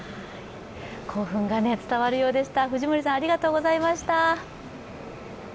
興奮が伝わるようでした。